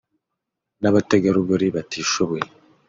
n’abategarugori batishoboye